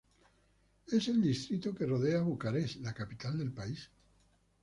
Es el distrito que rodea a Bucarest, la capital del país.